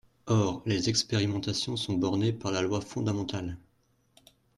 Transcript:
Or les expérimentations sont bornées par la loi fondamentale.